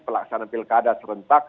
pelaksanaan pilkada serentak